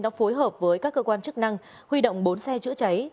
đã phối hợp với các cơ quan chức năng huy động bốn xe chữa cháy